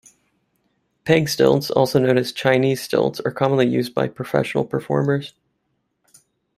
Peg stilts, also known as Chinese stilts, are commonly used by professional performers.